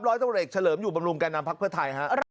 ร้อยต้นเหล็กเฉลิมอยู่บำรุงการนำพลักษณ์เพื่อไทยฮะ